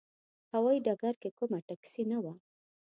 هوايي ډګر کې کومه ټکسي نه وه.